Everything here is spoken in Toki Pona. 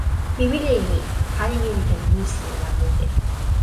mi wile e ni: pali mi li ken musi e jan mute.